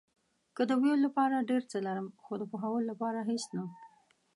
کله د ویلو لپاره ډېر څه لرم، خو د پوهولو لپاره هېڅ نه.